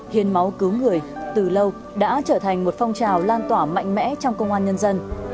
hiến máu cứu người từ lâu đã trở thành một phong trào lan tỏa mạnh mẽ trong công an nhân dân